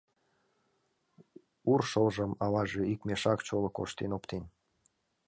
Ур шылжым аваже ик мешак чоло коштен оптен.